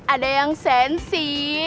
ada yang sensi